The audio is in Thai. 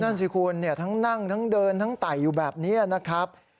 นั่นสิคุณทั้งนั่งทั้งเดินทั้งไต่อยู่แบบนี้นะครับ